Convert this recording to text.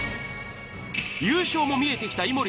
優勝も見えてきたいもり